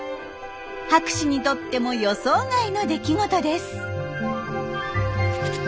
博士にとっても予想外の出来事です。